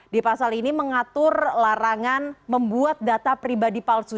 di pasal ini mengatur larangan membuat data pribadi palsu